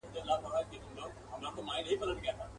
نجلۍ نه وه شاه پري وه ګلدسته وه.